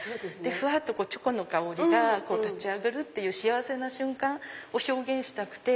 ふわっとチョコの香りが立ち上がるっていう幸せな瞬間を表現したくて。